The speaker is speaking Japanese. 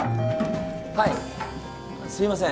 はいすいません